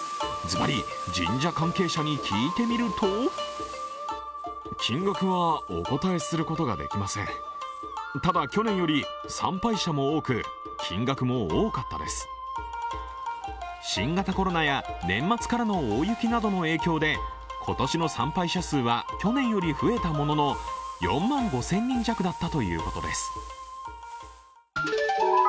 ずばり神社関係者に聞いてみると新型コロナや年末からの大雪などの影響で今年の参拝者数は去年より増えたものの４万５０００人弱だったということです